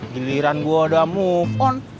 giliran gue udah move on